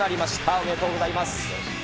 おめでとうございます。